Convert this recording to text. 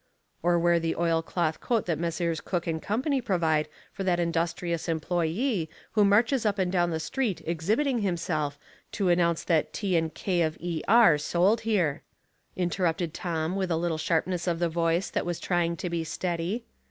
'Or wear the oilcloth coat that Messrs. Cook 112 Household Puzzles, & Co. provide for that industrious employe who marches up and down the street exhibiting him self, to announce that T & KofE R sold here," interrupted Tom, with a little sharpness in the voice that ^v ^^ trying to be steady.